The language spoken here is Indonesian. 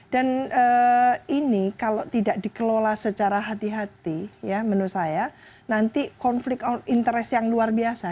dan ini kalau tidak dikelola secara hati hati ya menurut saya nanti konflik interest yang luar biasa